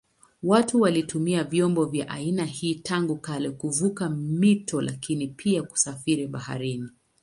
Watu walitumia vyombo vya aina hii tangu kale kuvuka mito lakini pia kusafiri baharini.